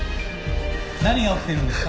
何が起きているんですか？